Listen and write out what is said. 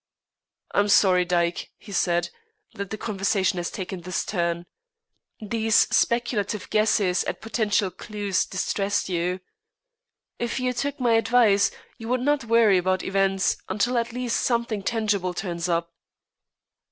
"I am sorry, Dyke," he said, "that the conversation has taken this turn. These speculative guesses at potential clues distress you. If you took my advice, you would not worry about events until at least something tangible turns up."